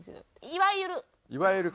いわゆる。